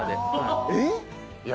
えっ！？